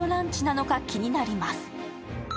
一体おいくらのランチなのか気になります。